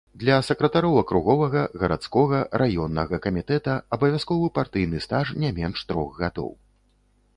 Для сакратароў акруговага, гарадскога, раённага камітэта абавязковы партыйны стаж не менш трох гадоў.